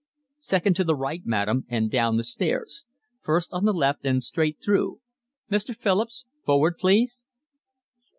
"Second to the right, madam, and down the stairs. First on the left and straight through. Mr. Philips, forward please."